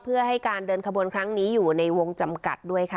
เพื่อให้การเดินขบวนครั้งนี้อยู่ในวงจำกัดด้วยค่ะ